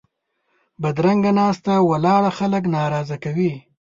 بدرنګه ناسته ولاړه خلک ناراضه کوي